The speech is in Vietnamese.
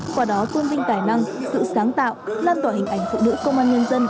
qua đó tôn vinh tài năng sự sáng tạo lan tỏa hình ảnh phụ nữ công an nhân dân